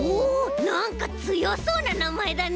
なんかつよそうななまえだね！